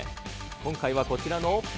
今回はこちらの。